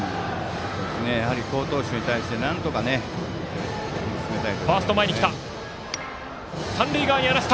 やはり好投手に対してなんとか進めたいところですね。